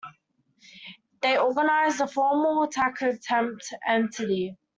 They organized the formal, tax-exempt entity.